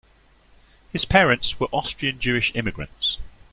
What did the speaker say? His parents were Austrian Jewish immigrants.